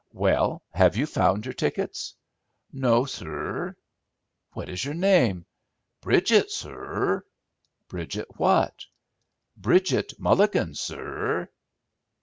"Well, have you found your tickets?" "No, sur." "What is your name?" "Bridget, sur." "Bridget what?" "Bridget Mulligan, sur."